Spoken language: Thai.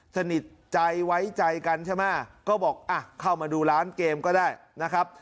สนิทใจไว้ใจกันใช่ไหมก็บอกอ่ะเข้ามาดูร้านเกมก็ได้นะครับ